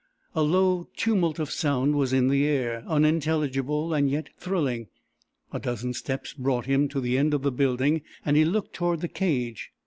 A low tumult of sound was in the air, unintelligible and yet thrilling. A dozen steps brought him to the end of the building and he looked toward the cage.